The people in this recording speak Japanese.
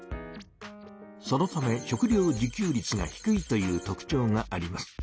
そのため食料自給率が低いという特ちょうがあります。